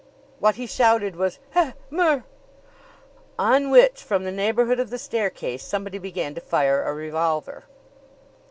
What he shouted was: "Heh! Mer!" On which, from the neighborhood of the staircase, somebody began to fire a revolver.